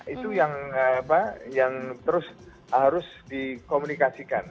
itu yang apa yang terus harus dikomunikasikan